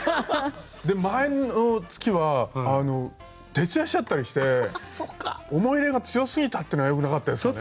前の月は徹夜しちゃったりして思い入れが強すぎたっていうのがよくなかったですかね。